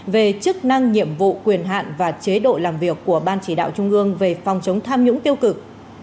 về chức năng nhiệm vụ quyền hạn và chế độ làm việc của ban chỉ đạo trung ương về phòng chống tham nhũng tiêu cực